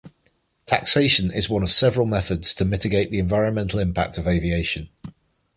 Taxation is one of several methods to mitigate the environmental impact of aviation.